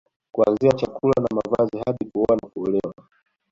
Kuanzia chakula na mavazi hadi kuoa au kuolewa